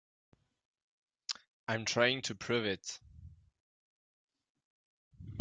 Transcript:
I'm trying to prove it.